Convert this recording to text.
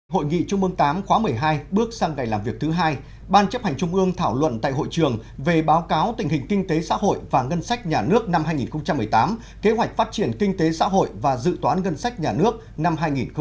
hội nghị trung mương tám khóa một mươi hai bước sang ngày làm việc thứ hai ban chấp hành trung ương thảo luận tại hội trường về báo cáo tình hình kinh tế xã hội và ngân sách nhà nước năm hai nghìn một mươi tám kế hoạch phát triển kinh tế xã hội và dự toán ngân sách nhà nước năm hai nghìn một mươi chín